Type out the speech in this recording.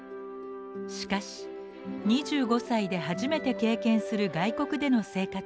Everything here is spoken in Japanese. しかし２５歳で初めて経験する外国での生活。